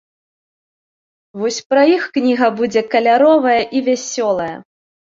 Вось пра іх кніга будзе каляровая і вясёлая!